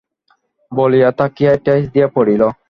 বলিয়া তাকিয়ায় ঠেস দিয়া পড়িল।